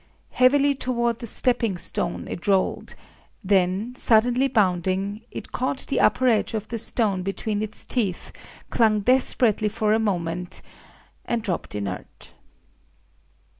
Heavily toward the stepping stone it rolled: then, suddenly bounding, it caught the upper edge of the stone between its teeth, clung desperately for a moment, and dropped inert.